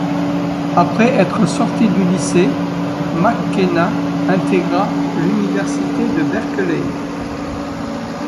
Après être sorti du lycée, McKenna intégra l'université de Berkeley.